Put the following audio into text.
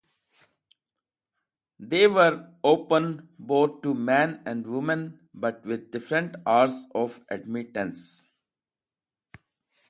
They were open both to men and women, but with different hours of admittance.